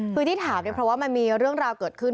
คือที่ถามเนี่ยเพราะว่ามันมีเรื่องราวเกิดขึ้น